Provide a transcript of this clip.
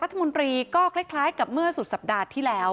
รัฐมนตรีก็คล้ายกับเมื่อสุดสัปดาห์ที่แล้ว